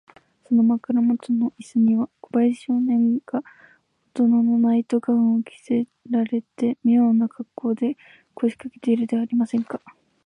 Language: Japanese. その枕もとのイスには、小林少年がおとなのナイト・ガウンを着せられて、みょうなかっこうで、こしかけているではありませんか。